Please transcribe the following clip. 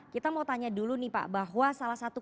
kita mau tanya dulu nih pak bahwa salah satu